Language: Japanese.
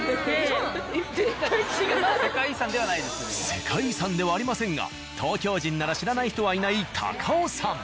世界遺産ではありませんが東京人なら知らない人はいない高尾山。